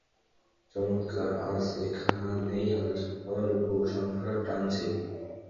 চমৎকার, আজ এখানেই আলোচনার উপসংহার টানছি।